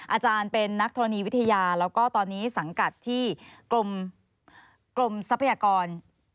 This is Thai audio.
อาจารย์เป็นนักธรณีวิทยาแล้วก็ตอนนี้สังกัดที่กรมทรัพยากร